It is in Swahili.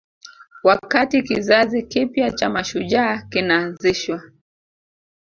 Wakati kizazi kipya cha mashujaa kinaanzishwa